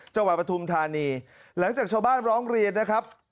จังหวัดประธุมธานีหลังจากชาวบ้านร้องเรียนนะครับ